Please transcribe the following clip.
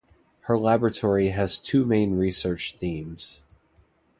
Her laboratory has two main research themes.